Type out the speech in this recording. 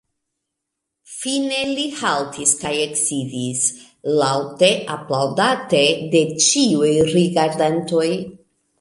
Fine li haltis kaj eksidis, laŭte aplaŭdate de ĉiuj rigardantoj.